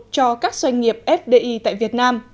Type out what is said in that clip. do các doanh nghiệp fdi tại việt nam